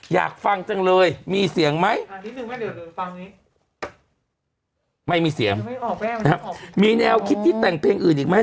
อยากฟังจังเลยมีเสียงไหมไม่มีเสียงมีแนวคิดที่แต่งเพลงอื่นอีกไหม